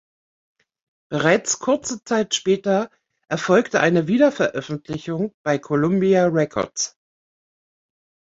Bereits kurze Zeit später erfolgte eine Wiederveröffentlichung bei Columbia Records.